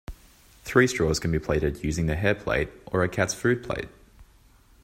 Three straws can be plaited using the hair plait or a cat's foot plait.